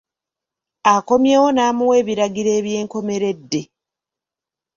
Akomyewo n’amuwa ebiragiro eby’enkomeredde.